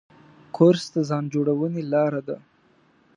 کورس د ځان جوړونې لاره ده.